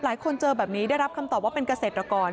เจอแบบนี้ได้รับคำตอบว่าเป็นเกษตรกร